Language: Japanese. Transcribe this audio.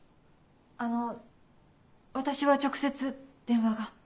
あの私は直接電話が。